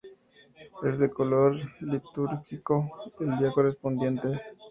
Es del color litúrgico del día correspondiente.